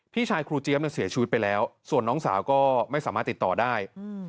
พี่ชายครูเจี๊ยบเสียชีวิตไปแล้วส่วนน้องสาวก็ไม่สามารถติดต่อได้